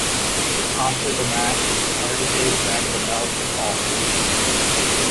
After the match, Hardy gave back the belt to Hawx.